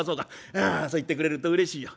いやそう言ってくれるとうれしいよ。